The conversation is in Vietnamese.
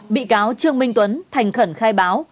bị cáo trương minh tuấn thành khẩn khai báo